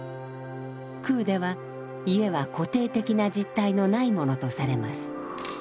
空では家は固定的な実体のないものとされます。